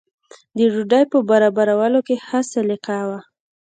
د ډوډۍ په برابرولو کې ښه سلیقه وه.